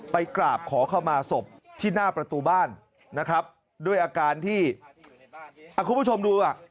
ไปกราบขอเข้ามาศพที่หน้าประตูบ้านนะครับด้วยอาการที่คุณผู้ชมดูอ่ะ